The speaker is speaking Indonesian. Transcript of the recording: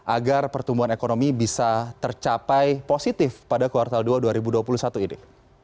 agar pertumbuhan ekonomi bisa tercapai positif pada kuartal dua dua ribu dua puluh satu ini